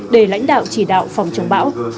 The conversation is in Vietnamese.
để lãnh đạo chỉ đạo phòng chống bão